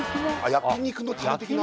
焼き肉のタレ的な？